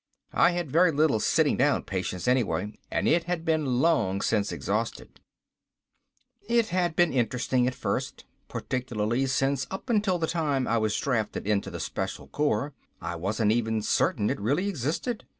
I had very little sitting down patience anyway, and it had been long since exhausted. It had been interesting at first. Particularly since up until the time I was drafted into the Special Corps I wasn't even certain it really existed.